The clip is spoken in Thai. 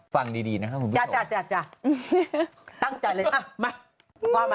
ฟังดีนะครับคุณผู้ชมจ้ะตั้งใจเลยอ่ะมา